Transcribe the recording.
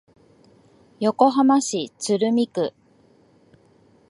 横浜市鶴見区